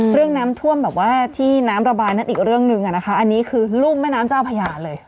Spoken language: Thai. เรื่องน้ำท่วมแบบว่าที่น้ำระบายนั้นอีกเรื่องหนึ่งอ่ะนะคะอันนี้คือรุ่มแม่น้ำเจ้าพญาเลย